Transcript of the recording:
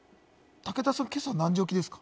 武田さん、今朝何時起きですか？